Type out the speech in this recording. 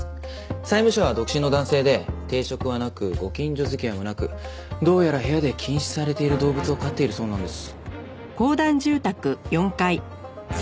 債務者は独身の男性で定職はなくご近所付き合いもなくどうやら部屋で禁止されている動物を飼っているそうなんです。